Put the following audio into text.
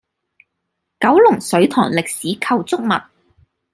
九龍水塘歷史構築物